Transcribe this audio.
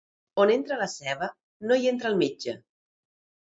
On entra la ceba, no hi entra el metge.